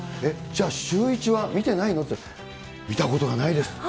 じゃあ、シューイチは見てないのって言ったら、見たことがないですって。